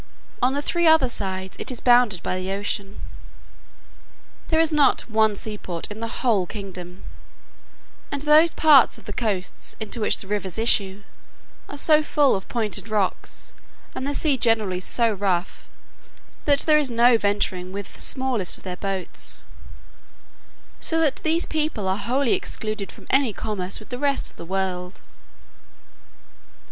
On the three other sides, it is bounded by the ocean. There is not one seaport in the whole kingdom: and those parts of the coasts into which the rivers issue, are so full of pointed rocks, and the sea generally so rough, that there is no venturing with the smallest of their boats; so that these people are wholly excluded from any commerce with the rest of the world.